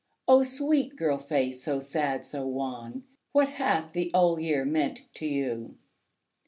O sweet girl face, so sad, so wan What hath the Old Year meant to you?